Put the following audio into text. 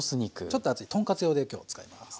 ちょっと厚い豚カツ用で今日は使います。